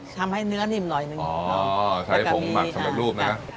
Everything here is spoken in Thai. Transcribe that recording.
ทำให้เนื้อนิ่มหน่อยนึงอ๋อใช้ผงหมักสำเร็จรูปนะ